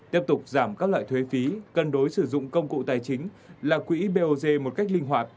tiếp tục giảm các loại thuế phí cân đối sử dụng công cụ tài chính là quỹ bog một cách linh hoạt